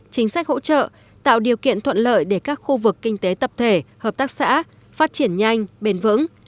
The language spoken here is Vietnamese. chính sách hỗ trợ tạo điều kiện thuận lợi để các khu vực kinh tế tập thể hợp tác xã phát triển nhanh bền vững